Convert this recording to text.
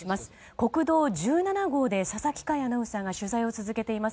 国道１７号で佐々木快アナウンサーが取材を続けています。